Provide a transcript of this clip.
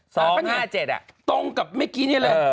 ห้าเจ็ดอ่ะตรงกับเมื่อกี้นี่เลย